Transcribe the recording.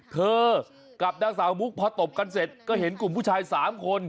เธอกับนางสาวมุกพอตบกันเสร็จก็เห็นกลุ่มผู้ชาย๓คน